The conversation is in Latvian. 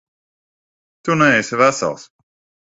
Tu neesi vesels.